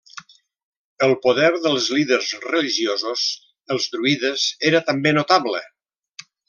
El poder dels líders religiosos, els druides, era també notable.